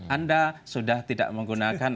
anda sudah tidak menggunakan